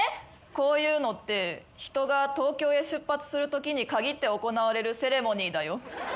こういうのって人が東京へ出発するときに限って行われるセレモニーだよ。